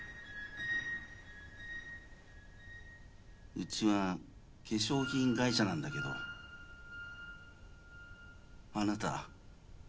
うちは化粧品会社なんだけどあなた。